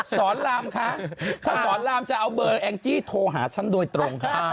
ศรรามคะถ้าศรรรามจะเอาเบอร์แอ้งจริโทรหาฉันโดยตรง